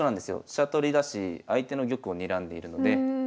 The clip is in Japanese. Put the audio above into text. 飛車取りだし相手の玉をにらんでいるので。